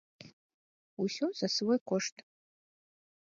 Усё за свой кошт!